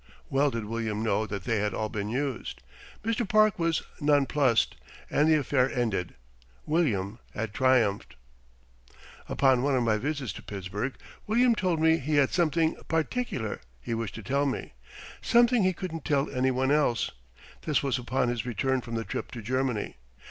Well did William know that they had all been used. Mr. Park was non plussed, and the affair ended. William had triumphed. Upon one of my visits to Pittsburgh William told me he had something "particular" he wished to tell me something he couldn't tell any one else. This was upon his return from the trip to Germany.